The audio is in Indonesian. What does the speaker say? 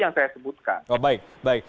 yang saya sebutkan